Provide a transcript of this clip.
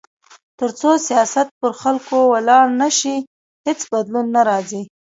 تر څو سیاست پر خلکو ولاړ نه شي، هیڅ بدلون نه راځي.